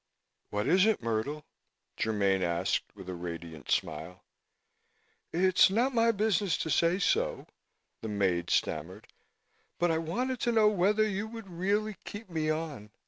"What is it, Myrtle?" Germaine asked with a radiant smile. "It's not my business to say so," the maid stammered, "but I wanted to know whether you would really keep me on.